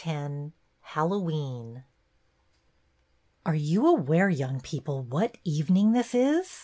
X Hallowe'en " /IRE you aware, young people, what evening this is